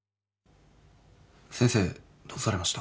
先生どうされました？